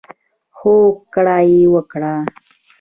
هوکړه یې وکړه.